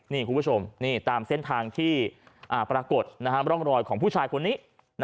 นี่คุณผู้ชมนี่ตามเส้นทางที่ปรากฏร่องรอยของผู้ชายคนนี้